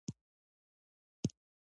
ملا حسن اخند ساکزی په تلوکان کي ښخ دی.